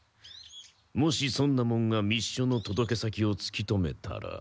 もし尊奈門が密書の届け先をつき止めたら。